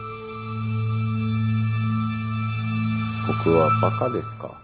僕はバカですか？